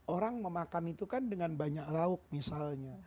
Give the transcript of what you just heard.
orang memakan itu kan dengan banyak lauk misalnya